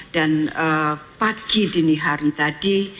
dan pagi dini hari tadi